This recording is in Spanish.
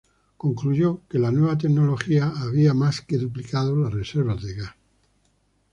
Concluyó que la nueva tecnología había más que duplicado las reservas de gas.